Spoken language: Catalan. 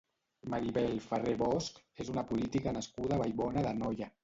Maribel Ferrer Bosch és una política nascuda a Vallbona d'Anoia.